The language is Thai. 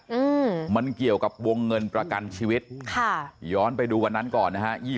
อืมมันเกี่ยวกับวงเงินประกันชีวิตค่ะย้อนไปดูวันนั้นก่อนนะฮะยี่